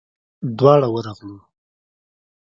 دواړه ورغلو.